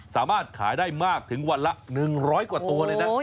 สามารถขายได้มากถึงวันละ๑๐๐กว่าตัวเลยนะ